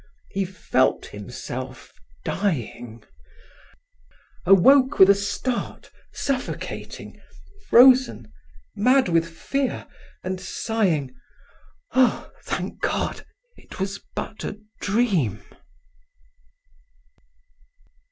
He felt himself dying, awoke with a start, suffocating, frozen, mad with fear and sighing: "Ah! thank God, it was but a dream!"